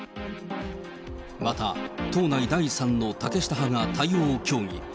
また党内第３の竹下派が対応を協議。